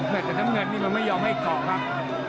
แต่น้ำเงินนี่มันไม่ยอมให้เกาะครับ